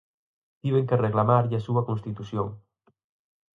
Tiven que reclamarlle a súa constitución.